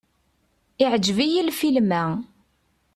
Iɛǧeb-iyi lfilm-a.